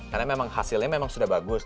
karena memang hasilnya memang sudah bagus